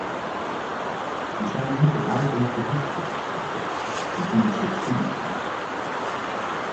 We zijn er niet op uit om kredieten te verstrekken, we bieden subsidies aan.